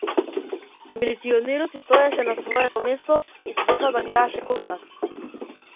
Милиционерот си стоеше на своето место и со досада гледаше кон нас.